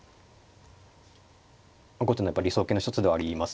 後手のやっぱ理想型の一つではありますね。